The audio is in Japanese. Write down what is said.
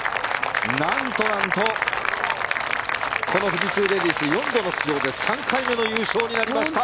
なんとなんとこの富士通レディース４度の出場で３回目の優勝になりました。